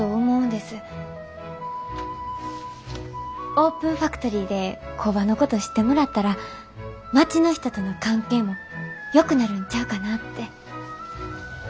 オープンファクトリーで工場のこと知ってもらったら町の人との関係もよくなるんちゃうかなって。